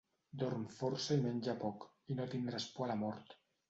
Dorm força i menja poc i no tindràs por a la mort.